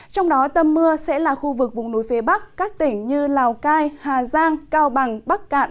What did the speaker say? trong đó tâm mưa sẽ là khu vực vùng núi phía bắc các tỉnh như lào cai hà giang cao bằng bắc cạn